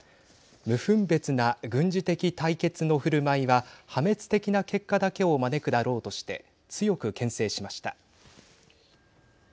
無分別な軍事的対決のふるまいは破滅的な結果だけを招くだろうとして強くけん制しました。